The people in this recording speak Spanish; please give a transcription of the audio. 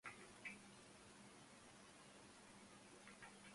Su nombre específico conmemora al ornitólogo alemán Hermann Schlegel.